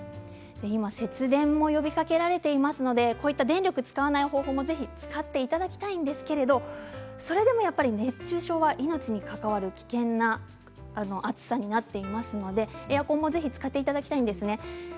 今、節電も呼びかけられていますので電力を使わない方法もぜひ使っていただきたいんですがそれでも、やっぱり熱中症は命に関わる危険な暑さになっていますのでエアコンもぜひ使っていただきたいんですね。